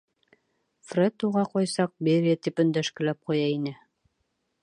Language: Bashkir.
Фред уға ҡайсаҡ, Берия тип өндәшкеләп ҡуя ине.